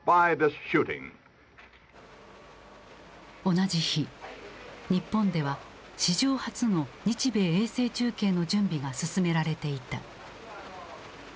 同じ日日本では史上初の日米衛星中継の準備が進められていた。